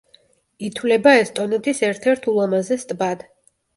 ითვლება ესტონეთის ერთ-ერთ ულამაზეს ტბად.